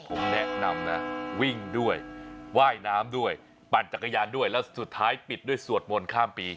ผมแนะนำนะวิ่งด้วยว่ายน้ำด้วยปั่นจักรยานด้วยแล้วสุดท้ายปิดด้วยสวดมนต์ข้ามปี